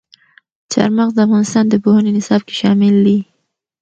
چار مغز د افغانستان د پوهنې نصاب کې شامل دي.